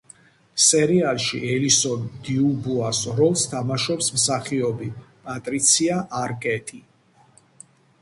სერიალში ელისონ დიუბუას როლს თამაშობს მსახიობი პატრიცია არკეტი.